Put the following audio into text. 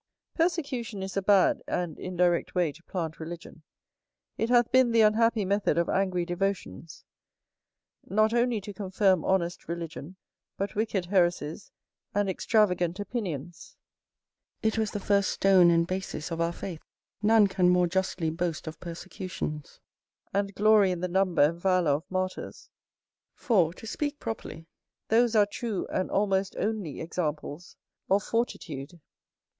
Persecution is a bad and indirect way to plant religion. It hath been the unhappy method of angry devotions, not only to confirm honest religion, but wicked heresies and extravagant opinions. It was the first stone and basis of our faith. None can more justly boast of persecutions, and glory in the number and valour of martyrs. For, to speak properly, those are true and almost only examples of fortitude.